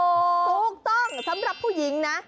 ถูกต้องสำหรับผู้หญิงนะ